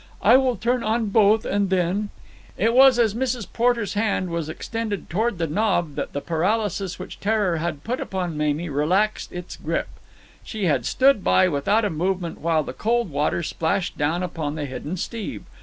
I will turn on both, and then——" It was as Mrs. Porter's hand was extended toward the knob that the paralysis which terror had put upon Mamie relaxed its grip. She had stood by without a movement while the cold water splashed down upon the hidden Steve.